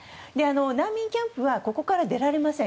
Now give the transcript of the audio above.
難民キャンプはここから出られません。